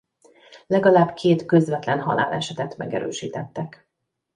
Legalább két közvetlen halálesetet megerősítettek.